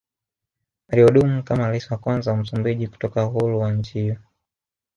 Alihudumu kama Rais wa kwanza wa Msumbiji kutoka uhuru wa nchi hiyo